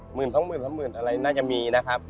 สองหมื่นสามหมื่นอะไรน่าจะมีนะครับ